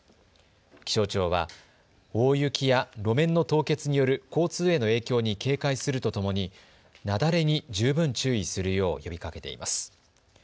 気象庁は大雪や路面の凍結による交通への影響に警戒するとともに雪崩に十分注意するよう呼びかけています。